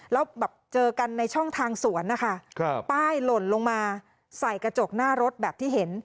แล้วแบบเจอกันในช่องทางสวนนะคะป้ายหล่นลงมาใส่กระจกหน้ารถแบบที่เห็น